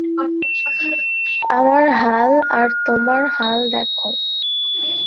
আমার হাল আর তোমার হাল দেখো।